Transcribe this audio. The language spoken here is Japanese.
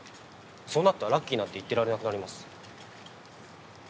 そうなったらラッキーなんて言ってられなくなります。